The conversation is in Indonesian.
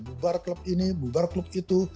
bubar klub ini bubar klub itu